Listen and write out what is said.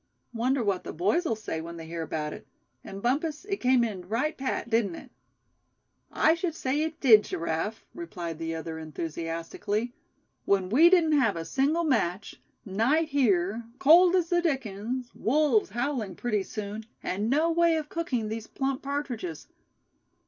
Wonder what the boys'll say when they hear about it? And Bumpus, it came in right pat, didn't it?" "I should say it did, Giraffe," replied the other, enthusiastically; "when we didn't have a single match, night here, cold as the dickens, wolves howling pretty soon, and no way of cooking these plump partridges.